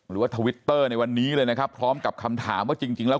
ทวิตเตอร์ในวันนี้เลยนะครับพร้อมกับคำถามว่าจริงจริงแล้ว